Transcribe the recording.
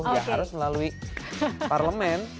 ya harus melalui parlemen